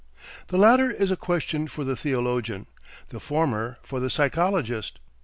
The latter is a question for the theologian, the former for the psychologist.